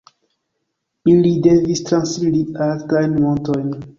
Ili devis transiri altajn montojn.